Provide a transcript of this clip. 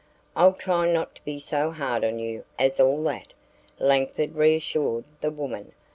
"I'll try not to be so hard on you as all that," Langford reassured the woman.